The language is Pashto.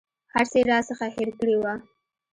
هر څه یې راڅخه هېر کړي وه.